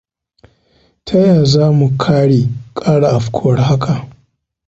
Ta ya za mu kare kara afkuwar haka?